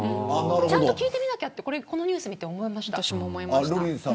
ちゃんと聞いてみなきゃとこのニュースを聞いて思いました。